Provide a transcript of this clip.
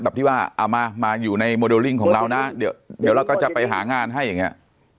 ที่ว่าเอามามาอยู่ในโมเดลลิ่งของเรานะเดี๋ยวเราก็จะไปหางานให้อย่างเงี้ย